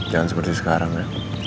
jangan seperti sekarang ya